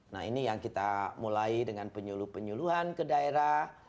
nah ini yang kita mulai dengan penyuluh penyuluhan ke daerah